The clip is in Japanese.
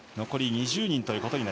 残り２０人です。